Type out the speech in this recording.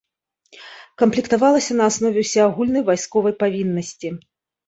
Камплектавалася на аснове ўсеагульнай вайсковай павіннасці.